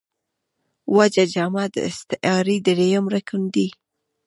وجه جامع داستعارې درېیم رکن دﺉ.